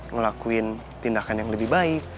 ngelakuin tindakan yang lebih baik